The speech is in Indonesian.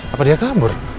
apa dia kabur